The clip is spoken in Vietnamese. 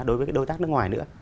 đối với đối tác nước ngoài nữa